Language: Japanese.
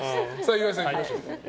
岩井さん、いきましょう。